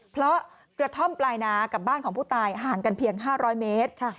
เพราะกระท่อมปลายนากับบ้านของผู้ตายห่างกันเพียง๕๐๐เมตร